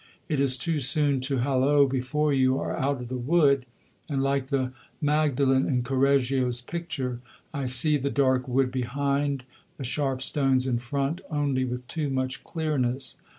It is too soon to holloa before you are out of the wood; and like the Magdalen in Correggio's picture, I see the dark wood behind, the sharp stones in front only with too much clearness.